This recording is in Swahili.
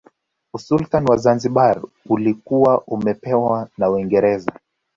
Usultani wa Zanzibar ulikuwa umepewa na Uingereza